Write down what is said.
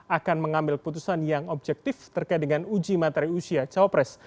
akan mengambil putusan yang objektif terkait dengan uji materi usia cawapres